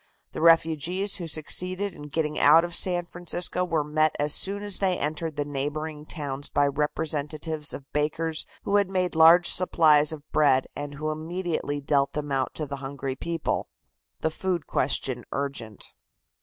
The refugees who succeeded in getting out of San Francisco were met as soon as they entered the neighboring towns by representatives of bakers who had made large supplies of bread, and who immediately dealt them out to the hungry people. THE FOOD QUESTION URGENT.